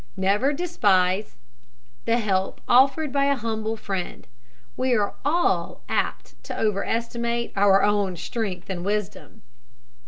Never despise the help offered by a humble friend. We are all apt to over estimate our own strength and wisdom.